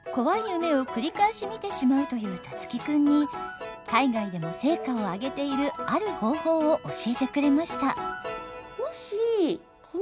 夢をくりかえし見てしまうという樹生くんに海外でも成果を上げているある方法を教えてくれました。